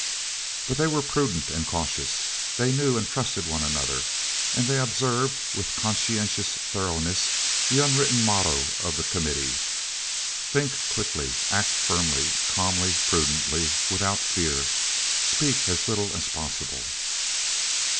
But they were prudent and cautious, they knew and trusted one another, and they observed, with conscientious thoroughness, the unwritten motto of the Committee: "Think quickly, act firmly, calmly, prudently, without fear. Speak as little as possible."